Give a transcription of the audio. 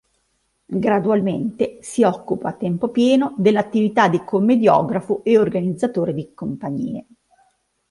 Gradualmente, si occupa, a tempo pieno, dell'attività di commediografo e organizzatore di compagnie.